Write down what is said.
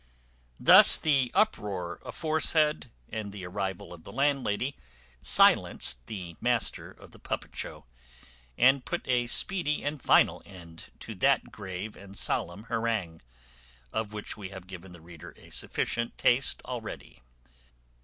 Thus the uproar aforesaid, and the arrival of the landlady, silenced the master of the puppet show, and put a speedy and final end to that grave and solemn harangue, of which we have given the reader a sufficient taste already.